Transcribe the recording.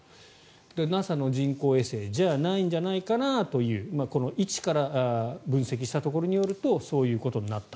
ＮＡＳＡの人工衛星じゃないんじゃないかなというこの位置から分析したところによるとそういうことになった。